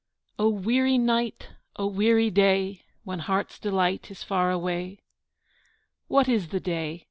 O WEARY night, O weary day, When heart's delight is far away! What is the day?